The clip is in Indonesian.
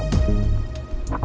terima kasih pak chandra